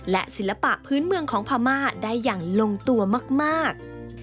และศิลปะพื้นเมืองของพม่าได้อย่างลงตัวมาก